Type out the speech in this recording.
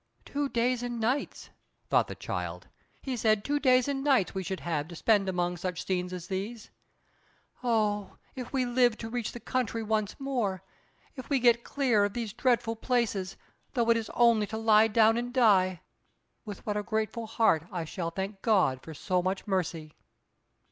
"Two days and nights!" thought the child. "He said two days and nights we should have to spend among such scenes as these. Oh, if we live to reach the country once again, if we get clear of these dreadful places, though it is only to lie down and die, with what a grateful heart I shall thank God for so much mercy!"